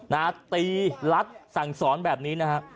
นะฮะตีรัดสั่งสอนแบบนี้นะฮะ